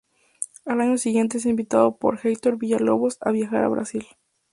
Al año siguiente es invitado por Heitor Villa-Lobos, a viajar a Brasil.